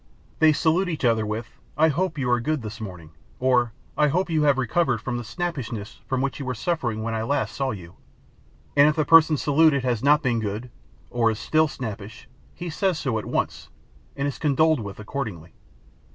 They salute each other with, "I hope you are good this morning;" or "I hope you have recovered from the snappishness from which you were suffering when I last saw you;" and if the person saluted has not been good, or is still snappish, he says so at once and is condoled with accordingly.